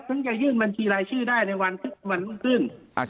ถึงจะยื่นบัญชีรายชื่อได้ในวันรุ่งขึ้น